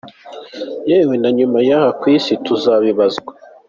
yewe na nyuma y’aha ku isi tuzabibazwa….